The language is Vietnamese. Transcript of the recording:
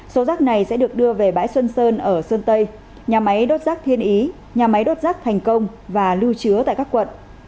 số rác này sẽ được đưa về bãi xuân sơn ở sơn tây nhà máy đốt rác thiên ý nhà máy đốt rác thành công và lưu chứa tại các quận